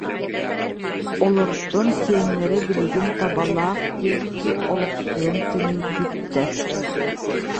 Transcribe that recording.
Олортон сиэннэрэ билигин Табалаах диэки олохсуйан тэнийбитэр